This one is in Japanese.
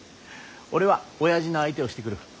俺はおやじの相手をしてくる。